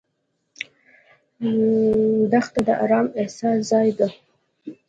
دښته د ارام احساس ځای ده.